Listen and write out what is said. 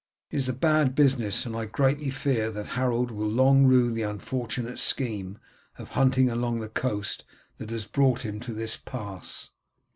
It is a bad business, and I greatly fear indeed that Harold will long rue the unfortunate scheme of hunting along the coast that has brought him to this pass."